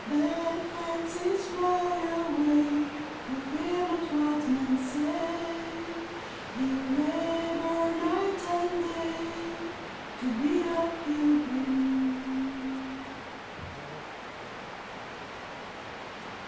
Then, fancies fly away, He'll fear not what men say; He'll labor night and day To be a pilgrim."